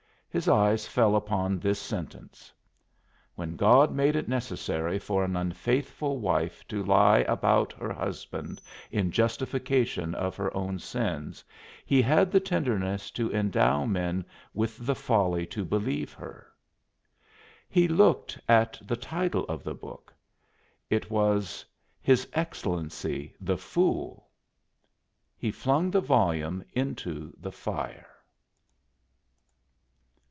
His eyes fell upon this sentence: "When God made it necessary for an unfaithful wife to lie about her husband in justification of her own sins He had the tenderness to endow men with the folly to believe her." He looked at the title of the book; it was, His Excellency the Fool. He flung the volume into the fire.